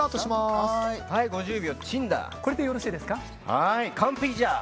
はい完璧じゃ！